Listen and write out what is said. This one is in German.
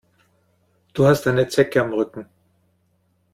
Du hast eine Zecke am Rücken.